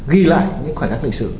ghi lại những khoảnh khắc lịch sử